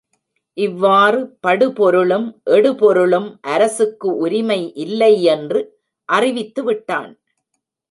இவ்வறு படுபொருளும் எடுபொருளும் அரசுக்கு உரிமை இல்லை என்று அறிவித்துவிட்டான்.